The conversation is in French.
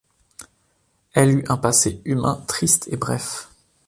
Elle eut un passé humain triste et bref.